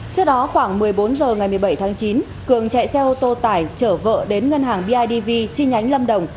trước đó khoảng một mươi bốn h ngày một mươi bảy tháng chín cường chạy xe ô tô tải chở vợ đến ngân hàng bidv chi nhánh lâm đồng